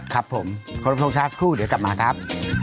ครับผมโคตรโภคชาร์จครูเดี๋ยวกลับมาครับ